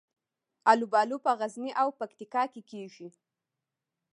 الوبالو په غزني او پکتیکا کې کیږي